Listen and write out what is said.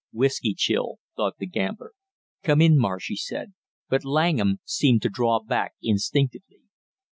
"Whisky chill," thought the gambler. "Come in, Marsh!" he said, but Langham seemed to draw back instinctively.